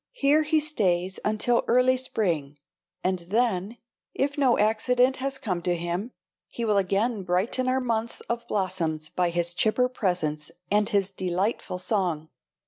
Here he stays until early spring, and then, if no accident has come to him, he will again brighten our months of blossoms by his chipper presence and his delightful song.